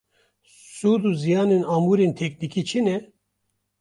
Sûd û ziyanên amûrên teknîkî çi ne?